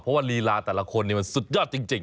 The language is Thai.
เพราะว่าลีลาแต่ละคนมันสุดยอดจริง